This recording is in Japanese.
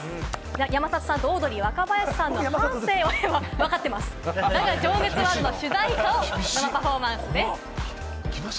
山里さんとオードリー若林さんの半生を描いた『だが、情熱はある』の主題歌を生パフォーマンスです。